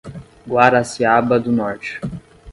Guaraciaba do Norte